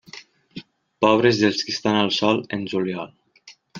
Pobres dels qui estan al sol en juliol.